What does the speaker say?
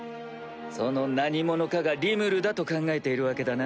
その何者かがリムルだと考えているわけだな？